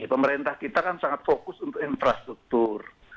pemerintah kita kan sangat fokus untuk infrastruktur